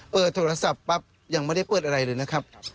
เปิดโทรศัพท์ปั๊บยังไม่ได้เปิดอะไรเลยนะครับ